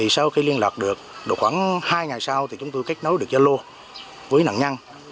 sau khi liên lạc được khoảng hai ngày sau chúng tôi kết nối được gia lô với nạn nhân